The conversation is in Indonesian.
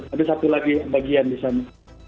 ada satu lagi bagian di sana